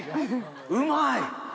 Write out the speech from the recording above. うまい！